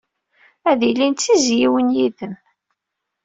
Ad ilin d tizzyiwin yid-m.